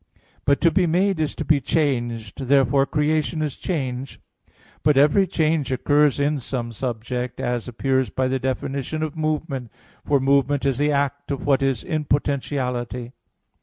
But to be made is to be changed. Therefore creation is change. But every change occurs in some subject, as appears by the definition of movement: for movement is the act of what is in potentiality.